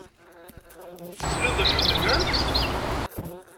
Tesliḍ d acu i d-nnant?